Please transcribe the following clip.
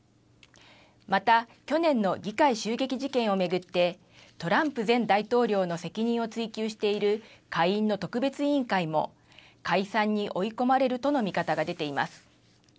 また去年の議会襲撃事件を巡ってトランプ前大統領の責任を追及している下院の特別委員会も解散に追い込まれるとの見方が出ています。